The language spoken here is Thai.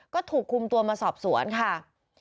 ก็ถูกคุมตัวมาสอบสวนค่ะ